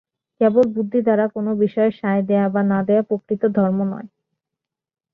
কেবল বুদ্ধি দ্বারা কোন বিষয়ে সায় দেওয়া বা না-দেওয়া প্রকৃত ধর্ম নয়।